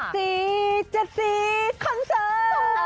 ๗สี๗สีคอนเสิร์ต